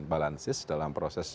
balances dalam proses